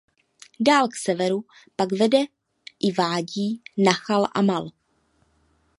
Dál k severu pak vede i vádí Nachal Amal.